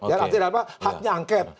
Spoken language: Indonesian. artinya apa haknya angket